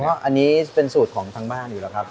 เพราะอันนี้เป็นสูตรของทางบ้านอยู่แล้วครับ